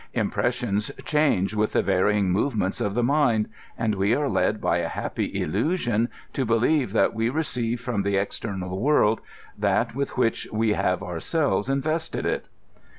Impressions change with the varying movements of the mind, and we are led by a hap py illusion to believe that we receive from the external world that with which we have ourselves invested it.